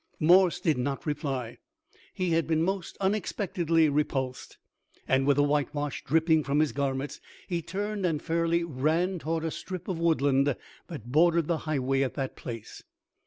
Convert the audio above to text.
Morse did not reply. He had been most unexpectedly repulsed, and, with the white wash dripping from his garments, he turned and fairly ran toward a strip of woodland that bordered the highway at that place.